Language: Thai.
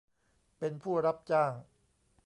เป็นผู้รับจ้าง